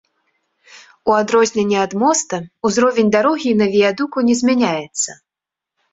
У адрозненне ад моста, узровень дарогі на віядуку не змяняецца.